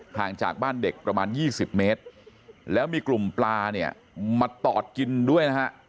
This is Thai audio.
ห่างจากบ้านเด็กประมาณ๒๐เมตรแล้วมีกลุ่มปลาเนี่ยมาตอดกินด้วยนะฮะ